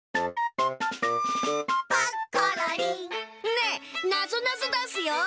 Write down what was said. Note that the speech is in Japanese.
ねえなぞなぞだすよ。